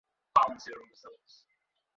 এই সুন্দর দুনিয়া তারে দেখতে দাও।